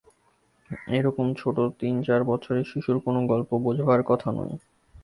এ-রকম ছোট তিন-চার বছরের শিশুর কোনো গল্প বোঝার কথা নয়।